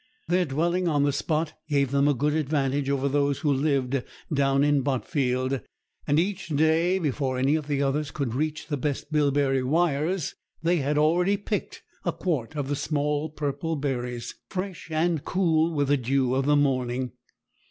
Their dwelling on the spot gave them a good advantage over those who lived down in Botfield; and each day, before any of the others could reach the best bilberry wires, they had already picked a quart of the small purple berries, fresh and cool with the dew of the morning.